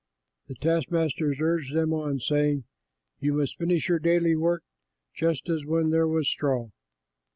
The taskmasters urged them on, saying, "You must finish your daily task just as when there was straw."